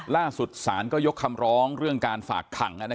ล่าสุดศาลก็ยกคำร้องเรื่องการฝากขัง